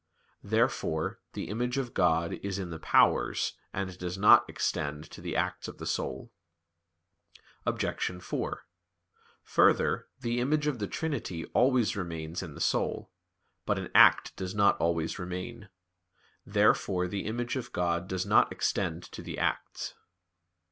Therefore the image of God is in the powers, and does not extend to the acts of the soul. Obj. 4: Further, the image of the Trinity always remains in the soul. But an act does not always remain. Therefore the image of God does not extend to the acts.